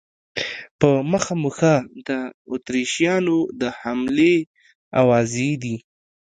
په مخه مو ښه، د اتریشیانو د حملې آوازې دي.